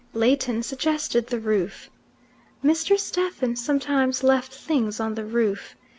Leighton suggested the roof. Mr. Stephen sometimes left things on the roof.